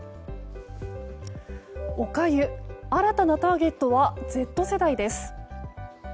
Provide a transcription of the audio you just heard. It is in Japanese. おかゆ新たなターゲットはＺ世代です。